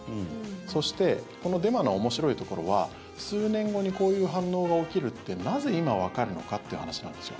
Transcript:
そしてこのデマの面白いところは数年後にこういう反応が起きるってなぜ今わかるのかっていう話なんですよ。